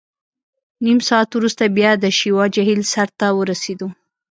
نیم ساعت وروسته بیا د شیوا جهیل سر ته ورسېدو.